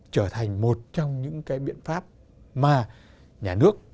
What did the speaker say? trở thành một trong những cái biện pháp mà nhà nước